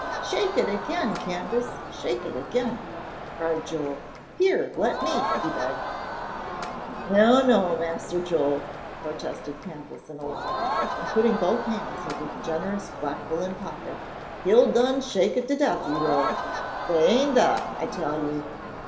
"Shake it again, Candace! Shake it again!" cried Joel. "Here, let me," he begged. "No, no, Mas'r Joel," protested Candace, in alarm, and putting both hands over the generous black woollen pocket, "you'll done shake it to def, you will. Dey ain' dah, I tell you.